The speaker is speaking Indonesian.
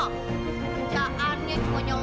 kerjaannya cuma nyolong